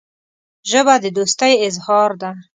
ژبه د دوستۍ اظهار ده